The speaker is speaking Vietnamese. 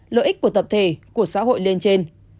lợi ích của tập thể của xã hội lên trên